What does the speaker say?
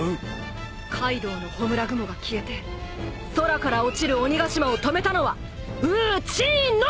カイドウの焔雲が消えて空から落ちる鬼ヶ島を止めたのはう・ち・の！